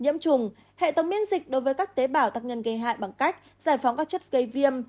nhiễm trùng hệ tổng biên dịch đối với các tế bào tăng nhân gây hại bằng cách giải phóng các chất gây viêm